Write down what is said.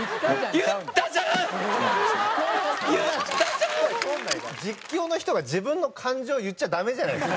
でもこれで実況の人が自分の感情を言っちゃダメじゃないですか。